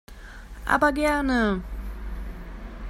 Aber gerne!